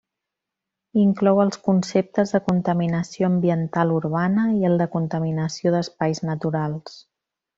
Inclou els conceptes de contaminació ambiental urbana i el de contaminació d'espais naturals.